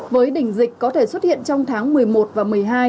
với đỉnh dịch có thể xuất hiện trong tháng một mươi một và một mươi hai